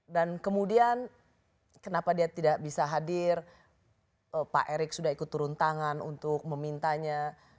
dan kemudian kenapa dia tidak bisa hadir pak erik sudah ikut turun tangan untuk memintanya